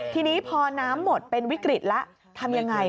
ทีนี้พอน้ำหมดเป็นวิกฤตแล้วทำยังไง